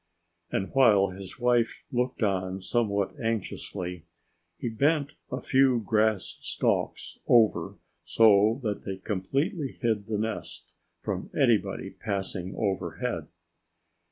And while his wife looked on somewhat anxiously he bent a few grass stalks over so that they completely hid the nest from anybody passing overhead.